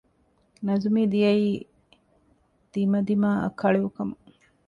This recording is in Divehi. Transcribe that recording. ނަޒުމީ ދިޔައީ ދިމަދިމާއަށް ކަޅިއުކަމުން